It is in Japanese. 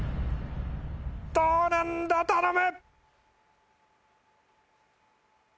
どうなんだ頼む！